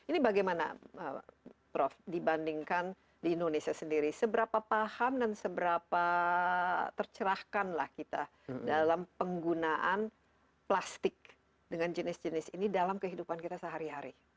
ini bagaimana prof dibandingkan di indonesia sendiri seberapa paham dan seberapa tercerahkan lah kita dalam penggunaan plastik dengan jenis jenis ini dalam kehidupan kita sehari hari